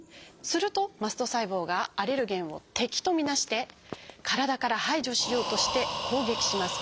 するとマスト細胞がアレルゲンを敵と見なして体から排除しようとして攻撃します。